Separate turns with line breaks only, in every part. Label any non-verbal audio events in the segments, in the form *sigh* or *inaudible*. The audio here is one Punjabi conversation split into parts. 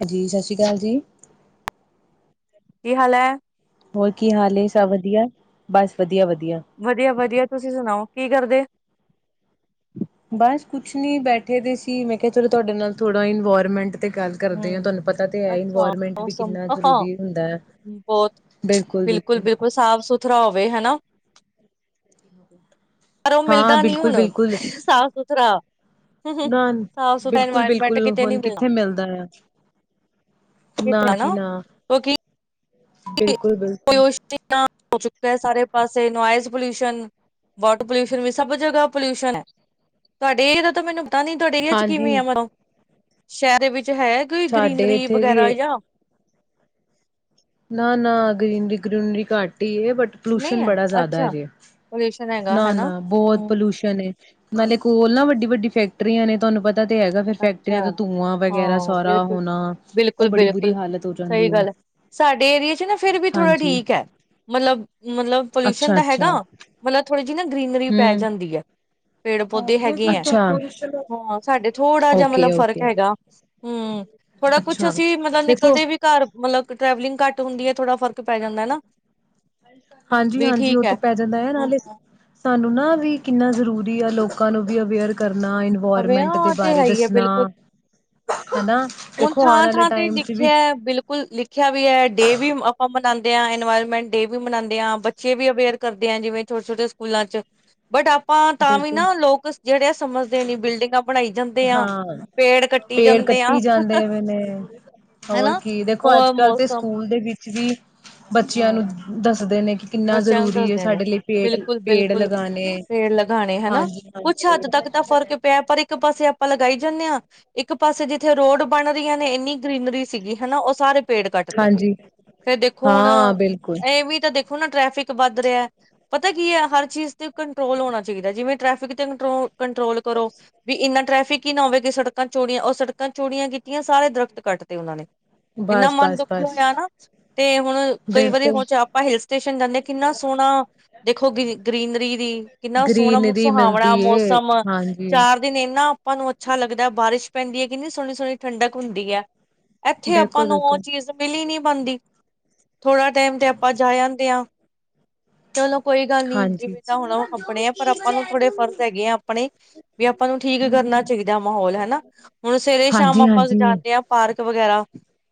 ਹਾਂ ਜੀ। ਸਤਿ ਸ਼੍ਰੀ ਅਕਾਲ ਜੀ
ਕੀ ਹਾਲ ਹੈ।
ਹੋਰ ਕੀ ਹਾਲ ਸਭ ਵਧੀਆ? ਬਸ ਵਧੀਆ ਵਧੀਆ।
ਵਧੀਆ ਵਧੀਆ ਤੁਸੀਂ ਸੁਣਾਓ ਕੀ ਕਰਦੇ।
ਬਸ ਕੁਛ ਨੀ ਬੈਠੇ ਦੇ ਸੀ ਮੈਂ ਕਿਹਾ ਚਲੋ ਤੁਹਾਡੇ ਨਾਲ ਥੋੜਾ ਇਨਵਾਰਮੈਂਟ ਤੇ। ਗੱਲ ਕਰਦੇ ਹਾਂ
ਹੂੰ,
ਤੁਹਾਨੂੰ ਪਤਾ ਤੇ ਹੈ
ਅੱਛਾ
ਇਨਵਾਇਰਮੈਂਟ ਵੀ
ਮੌਸਮ
ਕਿੰਨਾ
ਹਾਂ
ਜ਼ਰੂਰੀ ਹੁੰਦਾ ਹੈ
ਬਹੁਤ ਬਿਲਕੁਲ ਬਿਲਕੁਲ ਸਾਫ ਸੁਥਰਾ ਹੋਵੇ ਹਨਾ। ਪਰ ਉਹ
ਹਾਂ
ਮਿਲਦਾ ਨੀ
ਬਿਲਕੁਲ
ਹੁਣ
ਬਿਲਕੁਲ
ਸਾਫ ਸੁਥਰਾ
ਨਾ
ਸਾਫ਼ ਸੁਥਰਾ
ਬਿਲਕੁਲ
ਇਨਵਾਇਰਮੈਂਟ
ਬਿਲਕੁਲ
ਕਿਤੇ ਨੀ
ਹੁਣ
ਮਿਲਣਾ
ਕਿੱਥੇ ਮਿਲਦਾ ਐ ਨਾ
ਕਿਤੇ
ਜੀ ਨਾ।
ਕਿਉਂਕਿ
ਬਿਲਕੁਲ ਬਿਲਕੁਲ
ਪੋਲਿਊਸ਼ਨ ਹੋ ਚੁੱਕਾ ਹੈ ਸਾਰੇ ਪਾਸੇ ਨੋਇਜ਼ ਪੋਲਿਊਸ਼ਨ, ਵਾਟਰ ਪੋਲਿਊਸ਼ਨ, ਵੀ ਸਭ ਜਗ੍ਹਾ ਪੋਲਿਊਸ਼ਨ ਹੈ ਤੁਹਾਡੇ ਇਹਦਾ ਤਾਂ ਮੈਨੂੰ ਪਤਾ ਨੀ ਤੁਹਾਡੇ ਚ
ਹਾਂਜੀ
ਕਿਵੇਂ ਆ ਮਨੋਂ ਸ਼ਹਿਰ ਦੇ ਵਿੱਚ ਹੈ ਕੋਈ
ਸਾਡੇ
ਗਰੀਨਰੀ
ਇੱਥੇ ਵੀ
ਵਗੈਰਾ ਜਾਂ
ਨਾ-ਨਾ ਗ੍ਰੀਨਰੀ ਗਰੁਨਰੀ ਘੱਟ ਬਟ
ਨਹੀਂ
ਪੋਲੂਸ਼ਨ
ਹੈ
ਬੜਾ ਜ਼ਾਦਾ ਹੈ
ਅੱਛਾ
ਜੇ
ਪੋਲਿਊਸ਼ਨ ਹੈਗਾ ਹਨਾ
ਨਾ-ਨਾ ਬਹੁਤ
ਹਮ
ਪੋਲੂਸ਼ਨ ਏ ਨਾਲੇ ਕੋਲ ਨਾ ਵੱਡੀ-ਵੱਡੀ ਫੈਕਟਰੀਆਂ ਨੇ ਤੁਆਨੂੰ ਪਤ ਤਾਦੇ ਹੈਗਾ ਫਿਰ ਫੈਕਟਰੀਆਂ
ਅੱਛਾ
ਤੋਂ ਧੂੰਆਂ ਵਗੈਰਾ
ਹਾਂ
ਸਾਰਾ
ਬਿਲਕੁਲ,
ਹੋਨਾ ਔ
ਬਿਲਕੁਲ,
ਬੜੀ ਬੁਰੀ
ਬਿਲਕੁਲ
ਹਾਲਤ ਹੋ
ਸਹੀ
ਜਾਂਦੀ ਐ
ਗੱਲ ਹੈ। ਸਾਡੇ ਏਰੀਏ ਚ ਨਾ ਫਿਰ ਵੀ ਥੋੜਾ ਠੀਕ ਐ ਮਤਲਬ ਮਤਲਬ ਪੋਲਿਊਸ਼ਨ ਤਾਂ ਹੈਗਾ
ਅੱਛਾ-ਅੱਛਾ
ਮਤਲਬ ਥੋੜ ਜੀ ਨਾ ਗਰੀਨਰੀ ਪੈ
ਹੂੰ
ਜਾਂਦੀ ਐ ਪੇੜ-ਪੌਦੇ ਹੈਗੇ ਐਂ
ਅੱਛਾ
ਹਾਂ ਸਾਡੇ। ਥੋੜ੍ਹਾ ਜਿਹਾ ਮਤਲਬ ਫਰਕ
ਓਕੇ-ਓਕੇ
ਹੈਗਾ। ਹੰ ਥੋੜਾ ਕੁਛ
ਅੱਛਾ
ਅਸੀਂ ਮਤਲਬ
ਦੇਖੋ
ਨਿਕਲਦੇ ਵੀ ਘਰ ਮਤਲਬ ਟਰੈਵਲਿੰਗ ਘੱਟ ਹੁੰਦੀ ਐ ਵੀ
ਹਾਂਜੀ-ਹਾਂਜੀ ਔ
ਠੀਕ
ਤੇ
ਹੈ
ਪੈ ਜਾਂਦਾ ਯਾ
ਹੂੰ,
ਨਾਲੇ ਤੁਾਨੂੰ ਨਾ ਵੀ ਕਿੰਨਾ ਜ਼ਰੂਰੀ ਆ ਲੋਕਾਂ ਨੂੰ ਵੀ ਅਵੇਅਰ ਕਰ ਕਰਨਾ ਇਨਵਾਰਮੈਂਟ ਦੇ
ਹਾਂ
ਬਾਰੇ ਦੱਸਨਾ।
ਹੁਨ ਥਾਂ-ਥਾਂ ਤੇ
ਚ ਵੀ
ਲਿਖਿਐ ਬਿਲਕੁਲ ਲਿਖਿਆ ਵੀ ਐ ਡੇ ਵੀ ਆਪਾਂ ਮਨਾਨ ਦੇ ਇਨਵਾਇਰਮੈਂਟ ਡੇ ਵੀ ਮਨਾਉਂਦੇ ਆਾਂ ਬੱਚੇ ਵੀ ਅਵੇਅਰ ਕਰਦੇ ਆ ਜਿਵੇਂ ਛੋਟੇ ਛੋਟੇ ਸਕੂਲਾਂ ਚ। ਬਟ ਆਪਾਂ ਤਾਂ ਵੀ
ਬਿਲਕੁਲ
ਨਾ ਲੋਕ ਜਿਹੜੇ ਸਮਝਦੇ ਨੀ ਬਿਲਡਿੰਗਾਂ ਬਣਾਈ ਜਾਂਦੇ ਆਂ ਪੇੜ ਕੱਟੀ ਜਾਂਦੇ ਆਂ।
ਹੋਏ ਨੇ ਹੋਰ ਕੀ ਦੇਖੋ ਅੱਜ
ਉਹ
ਕੱਲ ਤੇ
ਮੌਸਮ
ਸਕੂਲ ਦੇ ਵਿੱਚ ਜੀ। ਬੱਚਿਆਂ
ਹਾਂ
ਨੂੰ ਦੱਸਦੇ ਨੇ ਕਿ ਕਿੰਨਾ
ਬੱਚਿਆਂ ਨੂੰ
ਜ਼ਰੂਰੀ ਹੈ
ਦੱਸਦੇ ਨੇ
ਸਾਡੇ ਲਈ ਪੇਟ ਪੇੜ
ਬਿਲਕੁਲ-ਬਿਲਕੁਲ
ਲਗਾਉਣੇ।
ਪੇੜ ਲਗਾਉਣੇ ਹਨਾ ਕੁੱਛ ਹੱਦ ਤੱਕ ਤਾਂ ਫ਼ਰਕ ਪਿਆ ਪਰ ਇੱਕ ਪਾਸੇ ਆਪਾਂ ਲਗਾਈ ਜਾਂਨੇ ਹਾਂ ਇੱਕ ਪਾਸੇ ਜਿੱਥੇ ਰੋਡ ਬਣ ਰਹੀਆਂ ਨੇ ਇੰਨੀ ਗ੍ਰੀਨਰੀ ਸੀਗੀ। ਹਨਾ ਉਹ ਸਾਰੇ ਪੇੜ ਕੱਟ ਤੇ
ਹਾਂਜੀ
ਫੇਰ ਦੇਖੋ ਹੁਣ
ਹਾਂ ਬਿਲਕੁਲ।
ਇਹ ਵੀ ਤਾਂ ਦੇਖੋ ਨਾ ਟ੍ਰੈਫਿਕ ਵੱਧ ਰਿਹਾ ਏ ਪਤਾ ਕੀ ਹੈ ਹਰ ਚੀਜ਼ ਤੇ ਕੰਟਰੋਲ ਹੋਣਾ ਚਾਹੀਦਾ ਏ ਜਿਵੇਂ ਟ੍ਰੈਫਿਕ ਤੇ ਕੰਟਰੋਲ ਕੰਟਰੋਲ ਕਰੋ ਵੀ ਇੰਨਾ ਟ੍ਰੈਫਿਕ ਹੀ ਨਾ ਹੋਵੇਗੀ ਸੜਕਾਂ ਚੋੜੀਆਂ ਉਹ ਸੜਕਾਂ ਚੋੜੀਆਂ ਕੀਤੀਆਂ ਸਾਰੇ ਦਰਖਤ ਕੱਟ ਤੇ ਉਹਨਾਂ ਨੇ। ਇਨਾ
ਬਸ
ਮਨ
ਬਸ
ਦੁਖੀ
ਬਸ
ਹੋਇਆ ਨਾ। ਤੇ ਹੁਣ ਕਈ ਵਾਰੀ
ਬਿਲਕੁਲ
ਹੋ ਚ ਆਪਾਂ ਹਿਲ ਸਟੇਸ਼ਨ ਜਾਂਨੇ ਕਿੰਨਾ ਸੋਹਣਾ ਦੇਖੋ ਗਰੀ ਗ੍ਰਰੀਨਰੀ ਦੀ ਕਿੰਨਾ ਸੋਹਣਾ ਮੋਸ
ਗ੍ਰੀਨਰੀ
ਸੁਹਾਵਣਾ
ਮਿਲਦੀ ਏ
ਮੌਸਮ
ਹਾਂਜੀ
ਚਾਰ ਦਿਨ ਏਨਾ ਤੁਆਨੂੰ ਅੱਛਾ ਲੱਗਦੈ ਬਾਰਿਸ਼ ਪੈਂਦੀ ਐ ਕਿੰਨੀ ਸੋਨੀ-ਸੋਨੀ ਠੰਡਕ ਹੁੰਦੀ ਐ। ਐਥੇ
ਬਿਲਕੁਲ
ਆਪਾਂ ਨੂੰ ਔ
ਬਿਲਕੁਲ
ਚੀਜ਼ ਮਿਲੀ ਨੀ। ਬਨਦੀ। ਥੋੜ੍ਹਾ ਟਾਈਮ ਤੇ ਆਪਾਂ ਜਾ ਆਂਦੇ ਆਂ। ਚਲ ਕੋਈ ਗੱਲ ਨੀ
ਹਾਂਜੀ
ਜਿਵੇਂ ਤਾਂ ਹੋਨਾਂ ਔ ਆਪਣੇ ਆ ਪਰ ਆਪਾਂ ਨੂੰ ਥੋੜੇ ਫਰਜ਼ ਹੈਗੇ ਆ ਆਪਣੇ ਈ ਆਪਾਂ ਨੂੰ ਠੀਕ ਕਰਨਾ ਚਾਹੀਦਾ ਮਾਹੌਲ ਹਨਾ ਹੁਣ ਸਵੇਰੇ ਸ਼ਾਮ
ਹਾਂਜੀ
ਆਪਾਂ
ਹਾਂਜੀ
ਜਾਂਦੇ ਆਂ ਪਾਰਕ ਵਗੈਰਾ।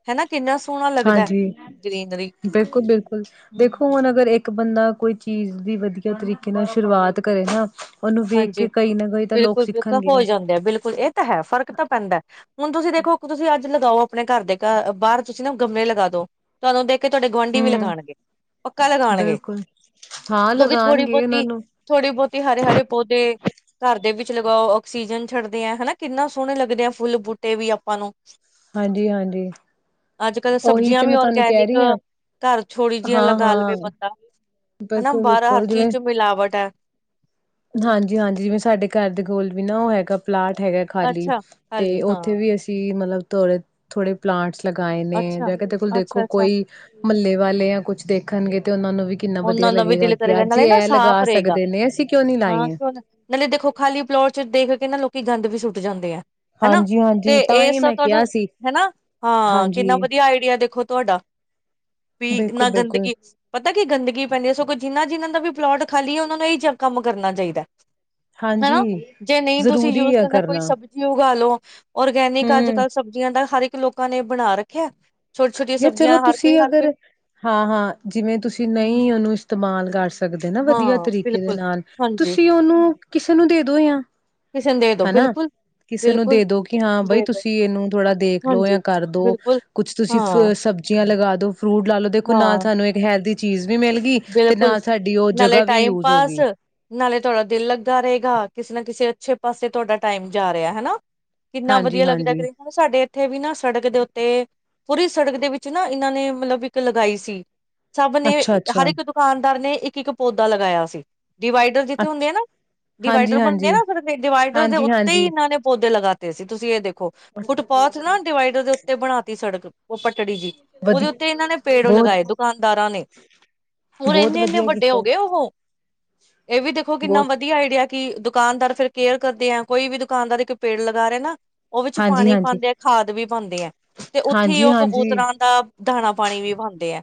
ਹੇਨਾ ਕਿੰਨਾ ਸੋਨਾ ਲੱਗਦੈ।
ਹਾਂਜੀ ਬਿਲਕੁਲ- ਬਿਲਕੁਲ ਦੇਖੋ
ਹਮ
ਹੁਨ ਅਗਰ ਏਕ ਬੰਦਾ ਕੋਈ। ਚੀਜ਼ ਦੀ ਵਧੀਆ ਤਰੀਕੇ ਨਾਲ ਸ਼ੁਰੂਵਾਤ ਕਰੇ ਨਾ। ਉਹਨੂੰ ਵੇਖ
ਹਾਂਜੀ,
ਕੇ ਕਈ ਨਾ ਕਈ ਤਾਂ ਲੋਕ
ਬਿਲਕੁਲ ਬਿਲਕ
ਸਿੱਖਣਗੇ
ਹੋਈ ਜਾਂਦੈ ਬਿਲਕੁਲ ਏ ਤਾਂ ਹੈ ਫ਼ਰਕ ਤਾਂ ਪੈਂਦੈ ਹੁਨ ਤੁਸੀਂ ਦੇਖੋ ਤੁਸੀਂ ਅੱਜ ਲਗਾਓ ਆਪਣੇ ਘਰ ਦੇ ਘ ਬਾਰ ਤੁਸੀਂ ਨਾ ਗਮਲੇ ਲਗਾ ਦੋ ਤੁਆਨੂੰ ਦੇਖ ਕੇ ਤੁਆਡੇ ਗੁਆਂਢੀ ਵੀ
ਹਮ
ਲਗਾਨਗੇ, ਪੱਕਾ ਲਗਾਨਗੇ,
ਬਿਲਕੁਲ ਹਾਂ
ਕਿਉਂਕਿ ਥੋੜੀ
ਲਗਾਉਣਗੇ ਉਹਨਾਂ
ਬਹੁਤੀ
ਨੂੰ
ਥੋੜੀ ਬਹੁਤੀ ਹਰੇ ਹਰੇ ਏ ਘਰ ਦੇ ਵਿੱਚ ਲਗਾਓ ਔਕਸੀਜਨ ਛੱਡਦੇ ਐਂ ਹੇਨਾਂ ਕਿੰਨਾ ਸੋਹਨੇ ਲੱਗਦੇ ਐਂ ਫੁੱਲ ਬੂਟੇ ਵੀ ਆਪਾਂ ਨੂੰ।
ਹਾਂਜੀ ਹਾਂਜੀ
ਅੱਜ-ਕੱਲ
ਉਹੀ
ਸਬਜੀਆਂ
ਤੇ
ਵੀ
ਮੈਂ ਤੁਹਾਨੂੰ ਕਹਿ
ਔਰਗੈਨਿਕ
ਰਹੀ ਹਾਂ
ਘਰ ਥੌੜੀ ਜਿਯਾਂ
ਹਾਂ
ਲਗਾ
ਹਾਂ
ਲਵੇ ਬੰਦਾ ਹੇਨਾ
ਬਿਲਕੁਲ
ਬਾਰ ਹਰ
ਬਿਲਕੁਲ
ਚੀਜ ਚ ਮਿਲਾਵਟ ਐ।
ਹਾਂਜੀ ਹਾਂਜੀ ਜਿਵੇਂ ਸਾਡੇ ਘਰ ਦੇ ਕੋਲ ਵੀ ਨਾ ਉਹ ਹੈਗਾ ਪਲਾਟ ਹੈਗਾ ਖਾਲੀ
ਅੱਛਾ
ਤੇ
ਖਾਲੀ ਹਾਂ
ਉੱਥੇ ਵੀ ਅਸੀਂ ਮਤਲਬ ਥੋੜੇ ਥੋੜੇ ਪਲਾਂਟਸ ਲਗਾਏ ਨੇ
ਅੱਛਾ
ਜਾਂ ਕਿਤੇ ਕੋਲ
ਅੱਛਾ
ਦੇਖੋ
ਅੱਛਾ
ਕੋਈ ਮਹੱਲੇ ਵਾਲੇ ਜਾਂ ਕੁਛ ਦੇਖਣਗੇ ਤੇ ਉਹਨਾਂ ਨੂੰ ਵੀ ਕਿੰਨਾ ਵਧੀਆ
ਉਹਨਾਂ ਦਾ ਵੀ
ਲੱਗੇਗਾ
ਦਿਲ
ਕਿ
ਕਰੇਗਾ
ਅੱਜ
ਨਾਲੇ ਨਾ
ਇਹ
ਸਾਫ਼
ਲਗਾ
ਰਹੇਗਾ
ਸਕਦੇ ਨੇ ਅਸੀਂ ਕਿਉਂ ਨੀ
ਹਾਂ
ਲਾਈਏ
ਕਿਣੇ ਦੇਖੋ ਖਾਲੀ ਪਲੋਟ ਚ ਦੇਖ ਕੇ ਨਾ ਲੋਕੀ ਗੰਦ ਵੀ ਸੁੱਟ ਜਾਂਦੇ ਐ ਹਨਾ
ਹਾਂਜੀ-ਹਾਂਜੀ
ਤੇ
ਤਾਂ ਹੀ
ਇਸ
ਮੈਂ
ਤੁਹਾਨੂੰ
ਕਿਹਾ ਸੀ
ਹਨਾ ਹਾਂ
ਹਾਂਜੀ
ਕਿੰਨਾ ਵਧੀਆ ਆਈਡੀਆ ਦੇਖੋ ਤੁੋਡਾ ਪੀਗ ਨਾ
ਬਿਲਕੁਲ-ਬਿਲਕੁਲ
ਗੰਦਗੀ ਪਤਾ ਗੰਦਗੀ ਪੈਂਦੀ ਹੈ ਸਗੋਂ ਜਿੰਨਾ ਜਿੰਨਾ ਦਾ ਵੀ ਪਲੋਟ ਖਾਲੀ ਹੈ ਉਹਨਾਂ ਨੂੰ ਇਹੀ ਜਿਆ ਕੰਮ ਕਰਨਾ ਚਾਹੀਦਾ
ਹਾਂਜੀ
ਹਨਾ ਜੇ ਨਹੀਂ ਤੁਸੀਂ
ਜ਼ਰੂਰੀ
ਯੂਜ
ਆ
ਕਰਨਾ ਕੋਈ ਸਬਜ਼ੀ ਉਗਾ ਲੋ ਔਰਗੈਨਿਕ ਅੱਜ
ਹੂੰ
ਕੱਲ੍ਹ ਸਬਜ਼ੀਆਂ ਦਾ ਹਰ ਇੱਕ ਲੋਕਾਂ ਨੇ ਬਣਾ ਰੱਖਿਆ ਛੋਟੀ ਛੋਟੀਆਂ
ਯਾਰ ਚਲੋ
ਸਬਜ਼ੀਆਂ ਹਰ ਕੋਈ
ਤੁਸੀਂ
ਹਰ ਕੋਈ
ਅਗਰ ਹਾਂ ਹਾਂ ਜਿਵੇਂ ਤੁਸੀਂ ਨਹੀਂ ਉਹਨੂੰ ਇਸਤੇਮਾਲ ਕਰ ਸਕ ਸਕਦੇ ਨਾ ਵਧੀਆ
ਹਾਂ
ਤਰੀਕੇ ਦੇ
ਬਿਲਕੁਲ
ਨਾਲ
ਹਾਂਜੀ
ਤੁਸੀਂ ਉਹਨੂੰ ਕਿਸੇ ਨੂੰ ਦੇ ਦੋ ਜਾਂ
ਕਿਸੇ ਨੂੰ ਦੇ ਦੋ
ਹਨਾ
ਬਿਲਕੁਲ
ਕਿਸੇ ਨੂੰ
ਬਿਲਕੁਲ
ਦੇ ਦੋ ਕਿ ਹਾਂ ਬਾਈ
ਦੇ ਦੋ
ਤੁਸੀਂ ਇਹਨੂੰ ਥੋੜਾ ਦੇਖ ਲਓ ਜਾਂ
ਹਾਂਜੀ
ਕਰਦੋ
ਬਿਲਕੁਲ
ਕੁਛ ਤੁਸੀਂ
ਹਾਂ
ਫਿਰ ਸਬਜ਼ੀਆਂ ਲਗਾ ਦੋ ਫਰੂਟ ਲਾ ਲੋ ਦੇਖੋ ਨਾਲ
ਹਾਂ
ਸਾਨੂੰ ਇੱਕ ਹੈਲਦੀ ਚੀਜ਼ ਵੀ ਮਿਲ ਗਈ ਤੇ
ਬਿਲਕੁਲ
ਨਾਲ ਸਾਡੀ ਉਹ
ਨਾਲੇ
ਜਗ੍ਹਾ ਵੀ
ਟਾਈਮ
ਯੂਜ ਹੋ
ਪਾਸ
ਗਈ
ਨਾਲੇ ਥੋੜਾ ਦਿਲ ਲੱਗਾ ਰਹੇਗਾ ਕਿਸੇ ਨਾ ਕਿਸੇ ਅੱਛੇ ਪਾਸੇ ਤੁਹਾਡਾ ਟਾਈਮ ਜਾ ਰਿਹਾ ਹਨਾ ਕਿੰਨਾ
ਹਾਂਜੀ
ਵਧੀਆ ਲੱਗਦਾ
ਹਾਂਜੀ
ਕਰੀਬ ਸਾਡੇ ਉੱਥੇ ਵੀ ਨਾ ਸੜਕ ਦੇ ਉੱਤੇ ਪੂਰੀ ਸੜਕ ਦੇ ਵਿੱਚ ਨਾ ਇਹਨਾਂ ਨੇ ਮਤਲਬ ਇੱਕ ਲਗਾਈ ਸੀ ਸਭ ਨੇ
ਅੱਛਾ
ਹਰ
ਅੱਛਾ
ਇੱਕ ਦੁਕਾਨਦਾਰ ਨੇ ਇੱਕ ਇੱਕ ਪੌਦਾ ਲਗਾਇਆ ਸੀ ਡਿਵਾਈਡਰ ਜਿੱਥੇ ਹੁੰਦੇ ਆ
ਅੱਛਾ
ਨਾ
ਹਾਂਜੀ
ਡਿਵਾਈਡਰ ਬਣਦੇ ਆ
ਹਾਂਜੀ
ਨਾ ਫਿਰ ਡਿਵਾਈਡਰ ਦੇ
ਹਾਂਜੀ
ਉੱਤੇ ਹੀ
ਹਾਂਜੀ
ਇਹਨਾਂ ਨੇ ਪੌਦੇ ਲਗਾ ਸੀ ਤੁਸੀਂ ਇਹ ਦੇਖੋ ਹਾਂ ਫੁਟ ਪਾਥ ਨਾ ਡਿਵਾਈਡਰ ਦੇ ਉੱਤੇ ਬਣਾ ਤੀ ਸੜਕ ਉਹ ਪਟੜੀ ਜੀ ਉਹਦੇ
ਵਧੀਆ
ਉੱਤੇ ਇਹਨਾਂ ਨੇ ਪੇੜ
ਬਹੁਤ
ਲਗਾਏ ਦੁਕਾਨਦਾਰਾਂ ਨੇ ਹੁਣ
ਬਹੁਤ
ਇੰਨੇ ਇੰਨੇ
ਵਧੀਆ
ਵੱਡੇ ਹੋ
ਕੀਤਾ
ਗਏ ਉਹੋ ਇਹ ਵੀ ਦੇਖੋ ਕਿੰਨਾ
ਬਹੁਤ
ਵਧੀਆ ਆਈਡੀਆ ਕਿ ਦੁਕਾਨਦਾਰ ਫਿਰ ਕੇਅਰ ਕਰਦੇ ਆ ਕੋਈ ਵੀ ਦੁਕਾਨਦਾਰ ਇੱਕ ਪੇੜ ਲਗਾ ਰਹੇ ਨਾ ਉਹ ਵਿੱਚ ਪਾਣੀ
ਹਾਂਜੀ-ਹਾਂਜੀ,
ਪਾਉਂਦੇ ਆ ਖਾਦ ਵੀ ਪਾਉਂਦੇ ਹੈ ਤੇ ਉੱਥੇ ਹੀ ਉਹ
ਹਾਂਜੀ-ਹਾਂਜੀ
ਕਬੂਤਰਾਂ ਦਾ ਦਾਣਾ ਪਾਣੀ ਵੀ ਪਾਉਂਦੇ ਆ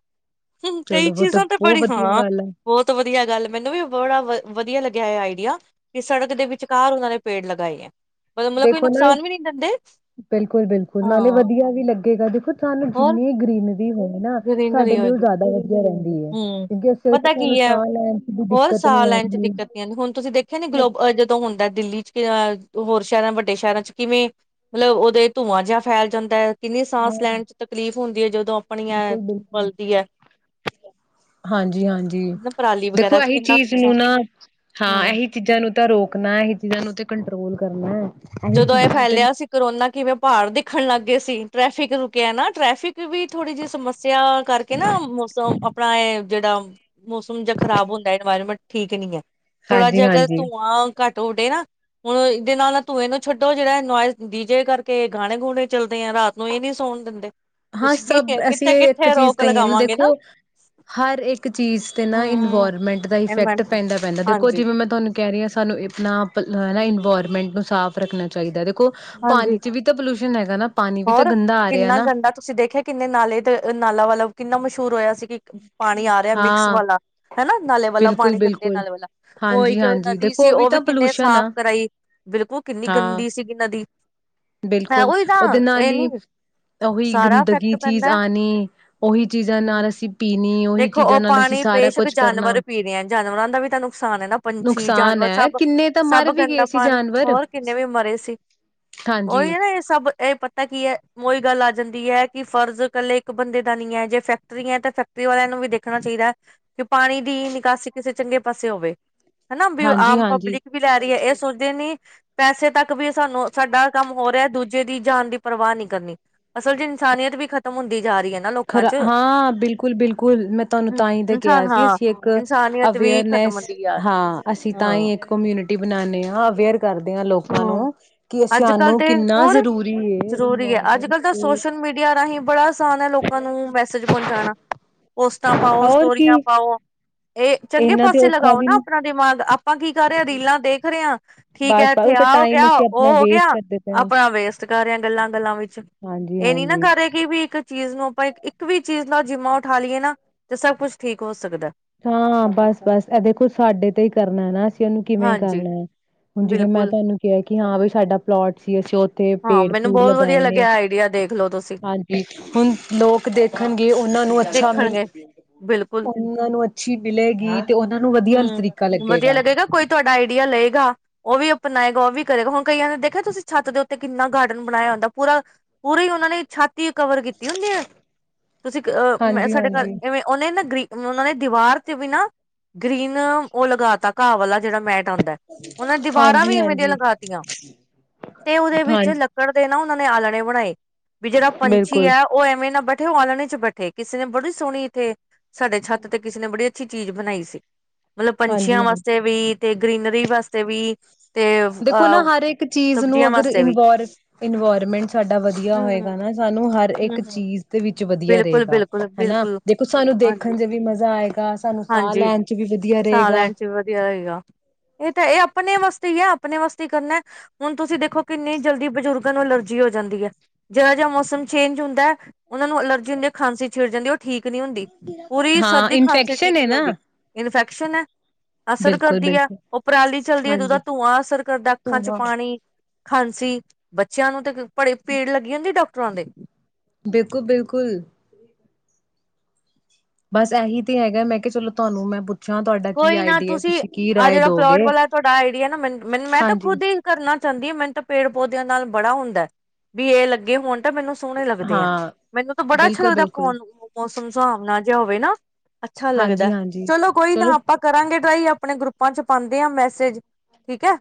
ਹੁਨ ਕਈ
ਚਲੋ ਵੋ ਤਾਂ
ਚੀਜ਼ਾਂ ਤੇ
ਬਹੁਤ
ਬੜੀ
ਵਧੀਆ
ਹਾਂ
ਗੱਲ ਐ।
ਬਹੁਤ ਵਧੀਆ ਵਧੀਆ ਗੱਲ ਮੈਨੂੰ ਵੀ ਬੜਾ ਵ ਵਧੀਆ ਲੱਗਿਆ ਹੈ ਆਈਡੀਆ ਕਿ ਸੜਕ ਦੇ ਵਿਚਕਾਰ ਉਹਨਾਂ ਨੇ ਪੇੜ ਲਗਾਏ ਹੈ ਮਤਲਬ ਮਤਲਬ ਕੋਈ
ਦੇਖੋ ਨਾ
ਨੁਕਸਾਨ ਵੀ ਨਹੀਂ ਦਿੰਦੇ
ਬਿਲਕੁਲ ਬਿਲਕੁਲ
ਹਾਂ
ਨਾਲੇ ਵਧੀਆ ਵੀ ਲੱਗੇਗਾ ਦੇਖੋ ਸਾਨੂੰ
ਹੋਰ
ਜਿੰਨੀ ਗ੍ਰਨਰੀ
ਗਰੀਨਰੀ ਹੋਏਗੀ
ਰਹਿੰਦੀ ਐ
ਹਂ
ਕਿਉਂਕਿ ਅਸੀਂ
ਪਤਾ
ਸਾਨੂੰ
ਕੀ ਹੈ
ਸਾਹ ਲੈਣ ਚ ਵੀ
ਹੋਰ
ਦਿੱਕਤ
ਸਾਹ
ਨੀ
ਲੈਣ ਚ
ਆਂਦੀ।
ਦਿੱਕਤ ਨਹੀ ਆਂਦੀ, ਹੁਣ ਤੁਸੀਂ ਦੇਖਿਆ ਨੀ ਗਲੋਬ ਜਦੋਂ ਹੁੰਦਾ ਦਿੱਲੀ ਚ ਕੀ ਅ ਹੋਰ ਸ਼ਹਿਰਾਂ ਵੱਡੇ ਸ਼ਹਿਰਾਂ ਚ ਕਿਵੇਂ ਮਤਲਬ ਉਹਦੇ ਧੂੰਆਂ ਜਿਹਾ ਫੈਲ ਜਾਂਦਾ ਹੈ ਕਿੰਨੀ ਸਾਂਸ ਲੈਣ ਚ ਤਕਲੀਫ਼ ਹੁੰਦੀ ਹੈ ਜਦੋਂ ਆਪਣੀਆਂ
ਬਿਲਕੁਲ ਬਿਲਕੁਲ
ਬਲਦੀ ਹੈ
ਹਾਂਜੀ ਹਾਂਜੀ
ਨਾ ਪਰਾਲੀ
ਦੇਖੋ
ਵਗੈਰਾ ਤੇ
ਇਹੀ
ਕਿੰਨਾ
ਚੀਜ਼
ਨੁਕਸਾਨ
ਨੂੰ ਨਾ ਹਾਂ
ਹੂੰ
ਇਹੀ ਚੀਜ਼ਾਂ ਨੂੰ ਤਾਂ ਰੋਕਣਾ ਇਹੀ ਚੀਜ਼ਾਂ ਨੂੰ ਤੇ ਕੰਟਰੋਲ ਕੀ ਕਰਨਾ ਐ
ਜਦੋਂ ਇਹ ਫੈਲਿਆ ਸੀ ਕਰੋਨਾ ਕਿਵੇਂ ਭਾੜ ਦੀਖ ਦੇਖਣ ਲੱਗ ਗਏ ਸੀ ਟ੍ਰੈਫਿਕ ਰੁਕਿਆ ਨਾ ਟ੍ਰੈਫਿਕ ਫਿਰ ਵੀ ਥੋੜ੍ਹੀ ਜਿਹੀ ਸਮੱਸਿਆ ਕਰਕੇ ਨਾ ਮੌਸਮ ਆਪਣਾ ਇਹ *unintelligible* ਮੌਸਮ ਜਾਂ ਖ਼ਰਾਬ ਹੁੰਦਾ ਇਨਵਾਇਰਮੈਂਟ ਠੀਕ ਨਹੀਂ ਹੈ ਥੋੜ੍ਹਾ ਜਿਹਾ ਅਗਰ
ਹਾਂਜੀ-ਹਾਂਜੀ,
ਧੂੰਆਂ ਘੱਟ ਉਡੇ ਨਾ ਹੁਣ ਇਹਦੇ ਨਾਲ ਧੂੰਏ ਨੂੰ ਛੱਡੋ ਜਿਹੜਾ ਨੋਇਜ਼ ਡੀ ਜੇ ਕਰਕੇ ਗਾਣੇ ਗੂਣੇ ਚੱਲਦੇ ਆ ਰਾਤ ਨੂੰ ਇਹ ਨੀ ਸੌਣ ਦਿੰਦੇ
ਹਾਂ
ਤੁਸੀਂ
ਸਭ ਅਸੀਂ
ਕਿੱਥੇ
ਇਹ ਇੱਕ
ਕਿੱਥੇ
ਚੀਜ਼
ਰੋਕ
ਕਹੀਏ ਨਾ
ਲਗਾਵਾਂਗੇ
ਦੇਖੋ ਹਰ ਇੱਕ ਚੀਜ਼ ਤੇ ਨਾ
ਹਮ
ਇਨਵਾਇਰਮੈਂਟ ਦਾ ਇਫੈਕਟ
ਇਨਵਾਇਰਮੈਂਟ
ਪੈਂਦਾ ਪੈਂਦਾ ਦੇਖੋ
ਹਾਂਜੀ
ਜਿਵੇਂ ਮੈਂ ਤੁਹਾਨੂੰ ਕਹਿ ਰਹੀ ਹਾਂ ਸਾਨੂੰ ਆਪਣਾ ਆਪ ਨਾ ਇਨਵਾਇਰਮੈਂਟ ਨੂੰ ਸਾਫ਼ ਰੱਖਣਾ ਚਾਹੀਦਾ ਅਤੇ
ਹਾਂਜੀ
ਪਾਣੀ ਚ ਵੀ ਤਾਂ ਪੋਲ ਨ ਹੈਗਾ ਪਾਣੀ ਵੀ ਤਾਂ
ਹੋਰ
ਗੰਦਾ ਆ ਰਿਹਾ
ਕਿੰਨਾ
ਨਾ
ਗੰਦਾ ਤੁਸੀਂ ਦੇਖਿਆ ਕਿੰਨੇ ਨਾਲੇ ਤੇ ਨਾਲਾ ਵਾਲਾ ਕਿੰਨਾ ਮਸ਼ਹੂਰ ਹੋਇਆ ਸੀ ਕਿ, ਪਾਣੀ ਆ ਰਿਹਾ ਮਿਕਸ
ਹਾਂ
ਵਾਲਾ ਹੈਨਾ, ਨਾਲੇ ਵਾਲਾ
ਬਿਲਕੁਲ
ਪਾਣੀ ਗੰਦੇ
ਬਿਲਕੁਲ
ਨਾਲੇ ਵਾਲਾ, ਉਹ
ਹਾਂਜੀ
ਇੱਕ
ਹਾਂਜੀ
ਨਦੀ
ਦੇਖੋ
ਸੀ ਉਹ ਵੀ
ਤਾਂ
ਕਿੰਨੇ
ਪੋਲਿਊਸ਼ਨ
ਸਾਫ਼
ਆ
ਕਰਾਈ, ਬਿਲਕੁਲ ਕਿੰਨੀ
ਹਾਂ
ਗੰਦੀ ਸੀਗੀ ਨਦੀ ਹੈ
ਬਿਲਕੁਲ,
ਉਹੀ ਤਾਂ
ਉਹਦੇ ਨਾਲ
ਇਹ
ਹੀ
ਨੀ,
ਉਹੀ
ਸਾਰਾ ਇਫੈਕਟ
ਗੰਦਗੀ ਚੀਜ਼
ਪੈਂਦਾ,
ਆਣੀ ਉਹੀ ਚੀਜ਼ਾਂ
ਹਮ,
ਨਾਲ ਅਸੀਂ ਪੀਣੀ ਉਹੀ
ਦੇਖੋ ਉਹ
ਚੀਜ਼ਾਂ ਨਾਲ ਅਸੀਂ
ਪਾਣੀ
ਸਾਰਾ
ਬੇਸ਼ਕ
ਕੁਛ ਕਰਨਾ
ਜਾਨਵਰ ਪੀ ਰੇਹਾ ਜਾਨਵਰਾਂ ਦਾ ਵੀ ਤਾਂ ਨੁਕਸਾਨ ਹੈ ਨਾ ਪੰਛੀ
ਨੁਕਸਾਨ
ਜਾਨਵਰ
ਹੈ
ਸਭ,
ਕਿੰਨੇ ਤਾਂ
ਸਭ
ਮਰ ਵੀ
ਗੰਦਾ
ਗਏ ਸੀ
ਪਾਣੀ,
ਜਾਨਵਰ
ਹੋਰ ਕਿੰਨੇ ਵੀ ਮਰੇ ਸੀ।
ਹਾਂਜੀ
ਉਹੀ ਨਾ ਇਹ ਸਭ ਇਹ *unintelligible* ਤਾਂ ਕੀ ਹੈ, ਉਹੀ ਗੱਲ ਆ ਜਾਂਦੀ ਹੈ ਕਿ ਫਰਜ਼ ਕੱਲੇ ਇੱਕ ਬੰਦੇ ਦਾ ਨੀ ਹੈ ਜੇ ਫੈਕਟਰੀ ਹੈ ਤਾਂ ਫੈਕਟਰੀ ਵਾਲਿਆਂ ਨੂੰ ਵੀ ਦੇਖਣਾ ਚਾਹੀਦਾ ਹੈ। ਕਿ ਪਾਣੀ ਦੀ ਨਿਕਾਸੀ ਕਿਸੇ ਚੰਗੇ ਪਾਸੇ ਹੋਵੇ ਹਨਾ ਵੀ ਆਮ
ਹਾਂਜੀ-ਹਾਂਜੀ,
ਪਬਲਿਕ ਵੀ ਲੈ ਰਹੀ ਹੈ ਇਹ ਸੋਚਦੇ ਨੇ ਪੈਸੇ ਤੱਕ ਵੀ ਸਾਨੂੰ ਸਾਡਾ ਕੰਮ ਹੋ ਰਿਹਾ ਦੂਜੇ ਦੀ ਜਾਨ ਦੀ ਪਰਵਾਹ ਨੀ ਕਰਨੀ ਅਸਲ ਚ ਇਨਸਾਨੀਅਤ ਵੀ ਖ਼ਤਮ ਹੁੰਦੀ ਜਾ ਰਹੀ ਹੈ ਨਾ ਲੋਕਾਂ
ਖਰਾ
ਚ
ਹਾਂ ਬਿਲਕੁਲ ਬਿਲਕੁਲ, ਮੈਂ ਤੁਹਾਨੂੰ ਤਾਂਹੀ ਤਾਂ ਕਿਹਾ
ਇਨਸਾਨ
ਸੀ
ਹਾਂ
ਅਸੀਂ ਇੱਕ
ਇਨਸਾਨੀਅਤ ਵੀ ਖ਼ਤਮ
ਅਵੇਅਰਨੈਸ
ਹੁੰਦੀ ਆ
ਹਾਂ ਅਸੀਂ ਤਾਂ
ਹਾਂ
ਹੀ ਇੱਕ ਕਮਿਊਨਿਟੀ ਬਣਾਉਦੇ ਹਾਂ ਅਵੇਅਰ ਕਰਦੇ ਹਾਂ ਲੋਕ ਹੈਲੋ, ਕਿ
ਅੱਜ ਕੱਲ
ਸਾਨੂੰ
ਤੇ
ਕਿੰਨਾ ਜ਼ਰੂਰੀ ਇਨਵਾਇਰਨਮੈਂਟ--ਇਨਵਾਇਰਨਮੈਂਟ
ਸ਼ੋਸ਼ਲ ਮੀਡੀਆ ਰਾਹੀਂ ਬੜਾ ਨੁਕਸਾਨ ਹੈ ਲੋਕਾਂ ਨੂੰ ਮੈਸੇਜ ਪਹੁੰਚਾਣਾ, ਪੋਸਟਾਂ ਪਾਓ
ਹੋਰ ਕੀ
ਸਟੋਰੀਆਂ ਪਾਓ ਇਹ ਚੰਗੇ
ਇੰਨਾ ਤੇ
ਪਾਸੇ
ਔਖਾ
ਲਗਾਓ
ਵੀ
ਨਾ
ਨੀ
ਆਪਣਾ ਦਿਮਾਗ ਆਪਾਂ ਕੀ ਕਰ ਰਹੇ ਰੀਲਾਂ ਦੇਖ ਰਹੇ ਆ ਠੀਕ ਐ
ਬਸ-ਬਸ
ਇੱਥੇ
ਉਹ ਤੇ
ਆਹ ਹੋ ਗਿਆ
ਟਾਈਮ ਅਸੀਂ ਆਪਣਾ
ਉਹ ਹੋ
ਵੇਸਟ
ਗਿਆ,
ਕਰਦੇ ਪਏ ਆ।
ਆਪਣਾ ਵੇਸਟ ਕਰ ਰਿਹਾ ਗੱਲਾਂ ਗੱਲਾਂ ਵਿੱਚ, ਇਹ ਨੀ ਨਾ
ਹਾਂਜੀ-ਹਾਂਜੀ,
ਕਰ ਰਹੇ ਕਿ ਵੀ ਇੱਕ ਚੀਜ਼ ਨੂੰ ਆਪਾਂ ਇਕ ਵੀ ਚੀਜ਼ ਦਾ ਜਿੰਮਾ ਉਠਾ ਲਈਏ ਨਾ, ਤੇ ਸਭ ਕੁੱਛ ਠੀਕ ਹੋ ਸਕਦਾ।
ਹਾਂ ਬਸ ਬਸ ਇਹ ਦੇਖੋ ਸਾਡੇ ਤੇ ਹੀ ਕਰਨਾ ਹੈ ਨਾ ਅਸੀਂ ਤੁਹਾਨੂੰ ਕਿਵੇਂ
ਹਾਂਜੀ
ਕਰਨਾ ਹੈ, ਹੁਣ ਜਿਵੇਂ ਮੈਂ
ਬਿਲਕੁਲ
ਤੁਹਾਨੂੰ ਕਿਹਾ ਕਿ ਹਾਂ ਬਈ ਸਾਡਾ ਪਲੋਟ ਸੀ ਅਸੀਂ ਉਥੇ
ਹਾਂ
ਪੇੜ
ਮੈਨੂੰ
ਪੂੜ
ਬਹੁਤ ਵਧੀਆ
ਲਗਾਏ ਨੇ,
ਲੱਗਿਆ ਆਈਡੀਆ ਦੇਖਲੋ ਤੁਸੀਂ
ਹਾਂਜੀ ਹੁਣ ਲੋਕ ਦੇਖਣਗੇ ਉਹਨਾਂ ਨੂੰ ਅੱਛਾ ਮਿਲ,
ਦੇਖਣਗੇ ਬਿਲਕੁਲ
ਉਹਨਾਂ ਨੂੰ ਅੱਛੀ ਮਿਲੇਗੀ ਤੇ ਉਹਨਾਂ ਨੂੰ ਵਧੀਆ ਤਰੀਕਾ
ਹੂੰ ਵਧੀਆ
ਲੱਗੇਗਾ
ਕੋਈ ਤੁਹਾਡਾ ਆਈਡੀਆ ਲਏਗਾ, ਉਹ ਵੀ ਅਪਣਾਏਗਾ ਉਹ ਵੀ ਕਹੇਗਾ ਹੁਣ ਕਈਆਂ ਨੇ ਦੇਖਿਆ ਤੁਸੀਂ ਛੱਤ ਦੇ ਉੱਤੇ ਕਿੰਨਾ ਗਾਰਡਨ ਬਣਾਇਆ ਹੁੰਦਾ ਪੂਰਾ, ਪੂਰੀ ਉਹਨਾਂ ਨੇ ਛੱਤ ਹੀ ਕਵਰ ਕੀਤੀ ਹੁੰਦੀ ਹੈ। ਤੁਸੀਂ ਅ ਮੈਂ
ਹਾਂਜੀ
ਸਾਡੇ ਘਰ
ਹਾਂਜੀ
ਇਵੇਂ ਉਹਨੇ ਨਾ ਗਰੀ ਉਹਨਾਂ ਨੇ ਦੀਵਾਰ ਤੇ ਵੀ ਨਾ, ਗ੍ਰੀਨ ਉਹ ਲਗਾ ਤਾ ਘਾਹ ਵਾਲਾ ਜਿਹੜਾ ਮੈਟ ਆਉਂਦਾ, ਉਹ ਨੇ ਦੀਵਾਰਾਂ
ਹਾਂਜੀ
ਵੀ ਇਵੇਂ ਦੀਆਂ
ਹਾਂਜੀ
ਲਗਾਤੀਆਂ, ਤੇ ਉਹਦੇ
ਹਾਂ
ਵਿੱਚ ਲੱਕੜ ਦੇ ਨਾ ਉ ਉਹਨੇ ਆਲਣੇ ਬਣਾਏ ਵੀ ਜਿਹੜਾ ਪੰਛੀ
ਬਿਲਕੁਲ
ਹੈ ਉਹ ਐਵੇਂ ਨਾ ਬਟ ਔ ਆਲਣੇ ਚ ਬੈਠੇ ਕਿਸੇ ਨੇ ਬੜੀ ਸੋਹਣੀ ਇੱਥੇ ਸਾਡੇ ਛੱਤ ਤੇ ਕਿਸੇ ਨੇ ਬੜੀ ਅੱਛੀ ਚੀਜ਼ ਬਣਾਈ ਸੀ ਮਤਲਬ
ਹਾਂਜੀ
ਪੰਛੀਆਂ ਵਾਸਤੇ
ਹਾਂਜੀ
ਵੀ ਤੇ ਗ੍ਰਰੀਨਰੀ ਵਾਸਤੇ ਵੀ ਤੇ
ਦੇਖੋ ਨਾ
ਅ
ਹਰ ਇੱਕ ਚੀਜ਼ ਨੂੰ
ਸਬਜ਼ੀਆਂ
ਅਗਰ
ਵਾਸਤੇ ਵੀ
ਇਨਵਾਰ-ਇਨਵਾਇਰਮੈਂਟ ਸਾਡਾ ਵਧੀਆ ਹੋਏਗਾ ਨਾ
ਹੂੰ-ਹੂੰ-ਹੂੰ
ਸਾਨੂੰ ਹਰ ਇੱਕ ਚੀਜ਼ ਦੇ ਵਿੱਚ ਵਧੀਆ ਰਹੇਗਾ ਹੈਨਾ
ਬਿਲਕੁਲ-ਬਿਲਕੁਲ-ਬਿਲਕੁਲ
ਦੇਖੋ ਸਾਨੂੰ ਦੇਖਣ ਚ ਵੀ ਮਜ਼ਾ ਆਏਗਾ, ਸਾਨੂੰ ਸਾਹ
ਹਾਂਜੀ-ਹਾਂਜੀ
ਲੈਣ ਚ ਵੀ ਵਧੀਆ
ਸਾਹ
ਰਹੇਗਾ
ਲੈਣ ਚ ਵੀ ਵਧੀਆ ਰਹੇਗਾ ਇਹ ਤਾਂ ਇਹ ਆਪਣੇ ਵਾਸਤੇ ਹੀ ਹੈ ਆਪਣੇ ਵਾਸਤੇ ਹੀ ਕਰਨਾ ਹੁਣ ਤੁਸੀਂ ਦੇਖੋ ਕਿੰਨੀ ਜਲਦੀ ਬੁਜ਼ੁਰਗਾਂ ਨੂੰ ਅਲਰਜੀ ਹੋ ਜਾਂਦੀ ਹੈ ਜਿਹੜਾ ਜਿਹਾ ਮੌਸਮ ਚੇਂਜ ਹੁੰਦਾ ਹੈ ਉਹਨਾਂ ਨੂੰ ਅਲਰਜੀ ਹੁੰਦੀ ਖਾਂਸੀ ਛਿੜ ਜਾਂਦੀ ਹੈ ਉਹ ਠੀਕ ਨੀ ਹੁੰਦੀ ਪੂਰੀ
ਹਾਂ
ਸਰਦੀ ਖਾਂਸੀ ਠੀਕ
ਇਨਫੈਕਸ਼ਨ ਹੈ
ਨਹੀਂ
ਨਾ
ਹੁੰਦੀ ਇਨਫੈਕ ਸੁਨੈ ਅਸਰ ਕਰ
ਬਿਲਕੁਲ
ਦੀ ਆ
ਬਿਲਕੁਲ
ਉਹ ਪਰਾਲੀ ਚੱਲਦੀ ਹੈ ਤੇ ਉਹਦਾ
ਹਾਂਜੀ
ਧੂੰਆਂ ਅਸਰ ਕਰਦਾ ਅੱਖਾਂ ਚ
ਧੂੰਆਂ
ਪਾਣੀ ਖਾਂਸੀ ਬੱਚਿਆਂ ਨੂੰ ਤੇ ਬੜੀ ਭੀੜ ਲੱਗੀ ਹੁੰਦੀ ਡਾਕ ਟਰਾਂ ਡੇ
ਬਿਲਕੁਲ-ਬਿਲਕੁਲ ਬਸ ਇਹੀ ਤੇ ਹੈਗਾ ਮੈਂ ਕਿਹਾ ਚਲੋ ਤੁਹਾਨੂੰ ਮੈਂ ਪੁ
ਕੋਈ ਨਾ ਤੁਸੀਂ ਆਹ ਜਿਹੜਾ
ਦੋਗੇ
ਪਲੋਟ ਵਾਲਾ ਤੁਹਾਡਾ ਆਈਡੀਆ ਨਾ ਮੈਨੂੰ ਮੈਨੂੰ ਮੈਂ ਤਾਂ
ਹਾਂਜੀ
ਖੁਦ ਹੀ ਕਰਨਾ ਚਾਹੁੰਦੀ ਮੈਨੂੰ ਤਾਂ ਪੇੜ ਪੌਦਿਆਂ ਨਾਲ ਬੜਾ ਹੁੰਦਾ ਬਈ ਇਹ ਲੱਗੇ ਹੋਣ ਤਾਂ ਮੈਨੂੰ ਸੋਹਣੇ ਲੱਗਦੇ ਆ
ਹਾਂ
ਮੈਨੂੰ ਤਾਂ ਬੜਾ ਅੱਛਾ ਲੱਗਦਾ
ਬਿਲਕੁਲ-ਬਿਲਕੁਲ
ਫੋਨ ਮੌਸਮ ਸੁਹਾਵਣਾ ਜੇਹਾ ਹੋ ਨਾ ਅੱਛਾ ਲੱਗਦਾ ਚਲੋ ਕੋਈ ਨਾ ਆਪ ਕਰਾਂਗੇ ਟਰਾਈ ਆਪਣੇ ਗਰੁੱਪਾਂ ਚ ਪਾਉਂਦੇ ਆ ਮੈਸੇਜ ਠੀਕ ਹੈ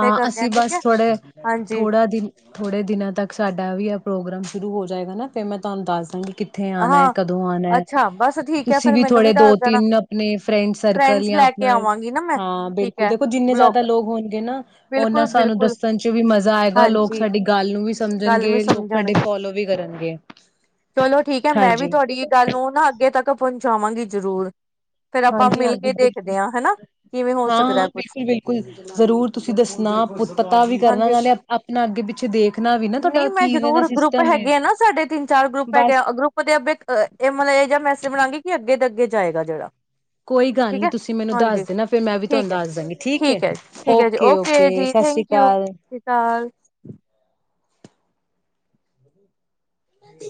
ਫੇਰ ਕਰਦੇ ਆ
ਅਸੀਂ
ਠੀਕ
ਬਸ
ਹੈ
ਥੋੜੇ
ਹਾਂਜੀ
ਥੋੜਾ ਦਿਨ ਥੋੜੇ ਦਿਨਾਂ ਤੱਕ ਸਾਡਾ ਵੀ ਪ੍ਰੋਗਰਾਮ ਸ਼ੁਰੂ ਹੋ ਜਾਏਗਾ ਨਾ ਫੇ ਮੈਂ ਤੁਹਾਨੂੰ ਦੱਸ ਦਾਂਗੀ ਕਿੱਥੇ ਆਉਣਾ
ਹਾਂ
ਹੈ ਕਦੋਂ ਆਉਣਾ ਹੈ
ਅੱਛਾ ਬਸ ਠੀਕ ਹੈ
ਤੁਸੀਂ
ਫੇਰ
ਵੀ
ਮੈਨੂੰ
ਥੋੜੇ ਦੋ
ਦੱਸ ਦੇਣਾ
ਤਿੰਨ ਆਪਣੇ ਫਰੈਂਡ ਸਰਕਲ
ਫਰੈਂਡਸ
ਜਾਂ
ਲੈ ਕੇ
ਆਪਣਾ
ਆਵਾਂਗੀ ਨਾ ਮੈਂ
ਹਾਂ
ਠੀਕ
ਬਿਲਕੁਲ
ਹੈ
ਦੇਖੋ ਜਿੰਨੇ
ਬਲੋ
ਜ਼ਿਆਦਾ ਲੋਕ ਹੋਣਗੇ ਨਾ ਉਹਨਾਂ
ਬਿਲਕੁਲ
ਸਾਨੂੰ
ਬਿਲਕੁਲ
ਦੱਸਣ ਚ ਵੀ ਮਜ਼ਾ ਆਏਗਾ ਲੋਕ
ਹਾਂਜੀ
ਸਾਡੀ ਗੱਲ ਨੂੰ ਵੀ
ਗੱਲ ਵੀ
ਸਮਝਣਗੇ ਲੋਕ ਸਾਡੇ
ਸਮਝਣਗੇ
ਫੋਲੋ ਵੀ ਕਰਨਗੇ
ਚਲੋ ਠੀਕ ਹੈ ਮੈਂ ਵੀ
ਹਾਂਜੀ
ਤੁਹਾਡੀ ਗੱਲ ਨੂੰ ਨਾ ਅੱਗੇ ਤੱਕ ਪਹੁੰਚਾਵਾਂਗੀ ਜ਼ਰੂਰ ਫੇਰ ਆਪਾਂ ਮਿਲ
ਹਾਂਜੀ-ਹਾਂਜੀ
ਕੇ
ਬਿਲਕੁਲ
ਦੇਖਦੇ ਹਾਂ ਹਨਾ ਕਿਵੇਂ ਹੋ
ਹਾਂ-ਹਾਂ
ਸਕਦਾ ਕੁਛ
ਬਿਲਕੁਲ-ਬਿਲਕੁਲ ਜ਼ਰੂਰ ਤੁਸੀਂ ਦੱਸਣਾ ਪੁ ਪਤਾ ਵੀ ਕਰਨਾ
ਹਾਂਜੀ
ਨਾਲੇ ਆਪਣਾ ਅੱਗੇ ਪਿੱਛੇ ਦੇਖਣਾ ਵੀ ਨਾ
ਨਹੀਂ
ਤੁਹਾਡਾ
ਮੈਂ
ਕਿਵੇਂ ਦਾ
ਜ਼ਰੂਰ ਗਰੁੱਪ
ਸਿਸਟਮ ਹੈ
ਹੈਗੇ ਆ ਨਾ ਸਾਡੇ ਤਿੰਨ ਚਾਰ ਗਰੁੱਪ ਹੈਗੇ ਆ
ਬਸ
ਗਰੁੱਪ ਦੇ ਆਗੇ ਮਤਲਬ ਏ ਜਿਆ ਮੈਸੇਜ ਬਣਾਂਗੀ ਕੀ ਅੱਗੇ ਦੇ ਅਗੇ ਗਿਰ ਜਾਏਗਾ ਜਿਹੜਾ
ਕੋਈ ਗੱਲ
ਠੀਕ
ਨੀ
ਹੈ
ਤੁਸੀਂ ਮੈਨੂੰ ਦੱਸ
ਹਾਂਜੀ
ਦੇ ਨਾ ਫਿਰ ਮੈਂ ਵੀ ਤੁਹਾਨੂੰ
ਠੀਕ ਹੈ
ਦੱਸ ਦਾਂਗੀ ਠੀਕ ਹੈ
ਠੀਕ ਹੈ ਜੀ ਓਕੇ
ਓਕੇ-ਓਕੇ
ਜੀ
ਸਤ ਸ੍ਰੀ
ਥੈਂਕ ਯੂ
ਅਕਾਲ
ਸਤਿ ਸ਼੍ਰੀ ਅਕਾਲ
ਨਾ ਤੀ